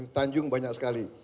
tanjung banyak sekali